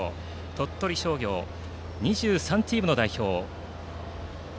鳥取商業は２３チームの代表です。